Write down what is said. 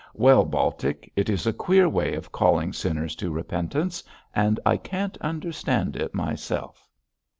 'Well, Baltic, it is a queer way of calling sinners to repentance, and I can't understand it myself.'